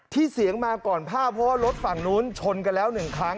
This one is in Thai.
เสียงมาก่อนภาพเพราะว่ารถฝั่งนู้นชนกันแล้วหนึ่งครั้ง